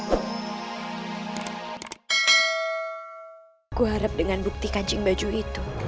aku harap dengan bukti kancing baju itu